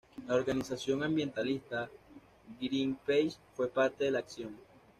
La organización ambientalista Greenpeace fue parte de la acción.